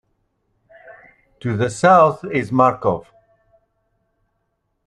To the south is Markov.